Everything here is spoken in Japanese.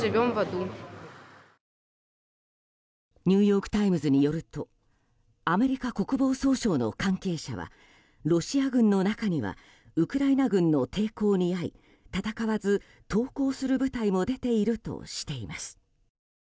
ニューヨーク・タイムズによるとアメリカ国防総省の関係者はロシア軍の中にはウクライナ軍の抵抗に遭い戦わず投降する部隊も出ているとしています。